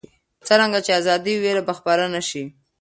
څرنګه چې ازادي وي، ویره به خپره نه شي.